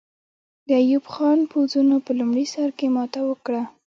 د ایوب خان پوځونو په لومړي سر کې ماته وکړه.